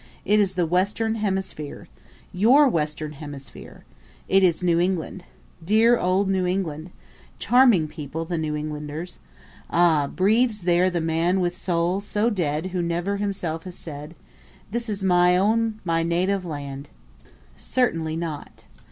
It is the Western Hemisphere your Western Hemisphere. It is New England. Dear old New England! Charming people the New Englanders! Ah, breathes there the man with soul so dead who never to himself has said, this is my own, my native land? Certainly not.